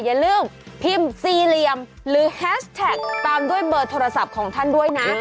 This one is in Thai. อย่าลืมพิมพ์สี่เหลี่ยมหรือแฮชแท็กตามด้วยเบอร์โทรศัพท์ของท่านด้วยนะ